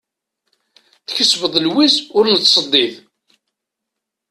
Tkesbeḍ lwiz ur nettseddid.